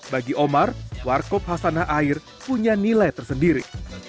bagi omar wargop hasanah air punya nilai tersendiri